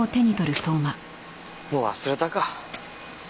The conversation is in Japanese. もう忘れたか。